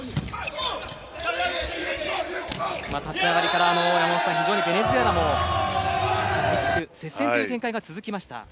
立ち上がりから非常にベネズエラも接戦という展開が続きました。